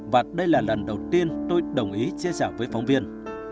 và đây là lần đầu tiên tôi đồng ý chia sẻ với phóng viên